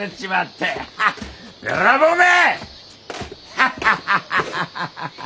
ハハハハハハハ！